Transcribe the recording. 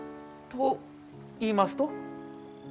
と言いますと？